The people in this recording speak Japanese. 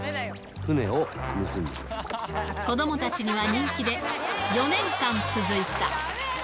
子どもたちには人気で、４年間続いた。